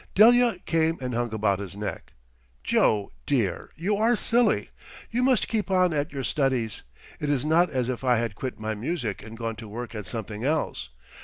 Delia came and hung about his neck. "Joe, dear, you are silly. You must keep on at your studies. It is not as if I had quit my music and gone to work at something else.